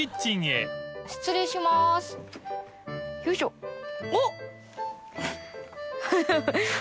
よいしょおっ！